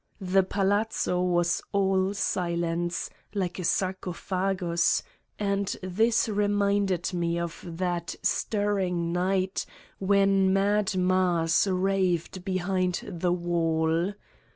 The Palazzo was all silence, like a sarcophagus, and this reminded me of that stirring night when Mad Mars raved behind the wall.